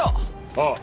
ああ。